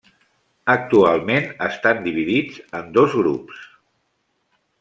Actualment estan dividits en dos grups.